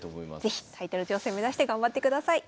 是非タイトル挑戦を目指して頑張ってください。